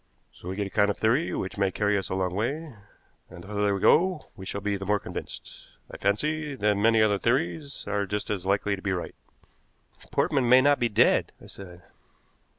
So we get a kind of theory which may carry us a long way, and the further we go we shall be the more convinced, I fancy, that many other theories are just as likely to be right." "Portman may not be dead," I said.